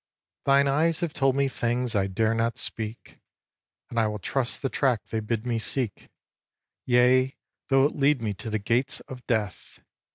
xx. Thine eyes have told me things I dare not speak; And I will trust the track they bid me seek, Yea, though it lead me to the gates of death!